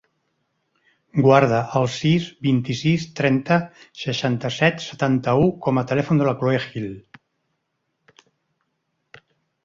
Guarda el sis, vint-i-sis, trenta, seixanta-set, setanta-u com a telèfon de la Chloé Hill.